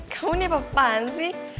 kamu nih apaan sih